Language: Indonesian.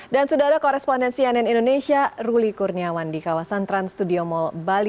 dan sudah ada koresponden cnn indonesia huli kurniawan di kawasan trans studio mall bali